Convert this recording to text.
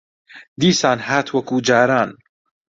دیسان هات وەکوو جاران